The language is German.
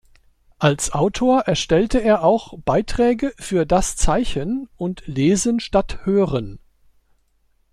Als Autor erstellte er auch Beiträge für Das Zeichen und Lesen statt Hören.